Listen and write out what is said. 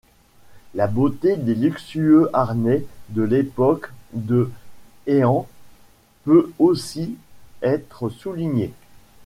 La beauté des luxueux harnais de l’époque de Heian peut aussi être soulignée.